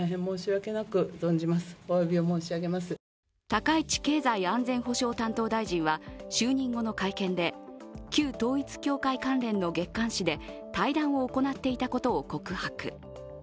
高市経済安全保障担当大臣は就任後の会見で旧統一教会関連の月刊誌で対談を行っていたことを告白。